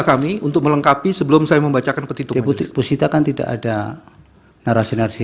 kami untuk melengkapi sebelum saya membacakan pusita kan tidak ada narasi narasi